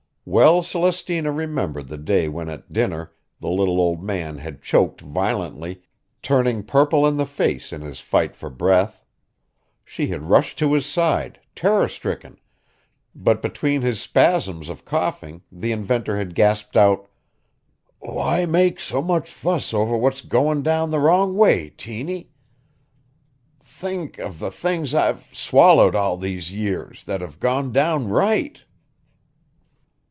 Well Celestina remembered the day when at dinner the little old man had choked violently, turning purple in the face in his fight for breath. She had rushed to his side, terror stricken, but between his spasms of coughing the inventor had gasped out: "Why make so much fuss over what's gone down the wrong way, Tiny? Think of the things I've swallered all these years that have gone down right!"